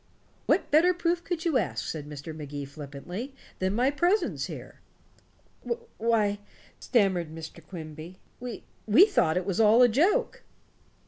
"What better proof could you ask," said Mr. Magee flippantly, "than my presence here?" "Why," stammered Mr. Quimby, "we we thought it was all a joke."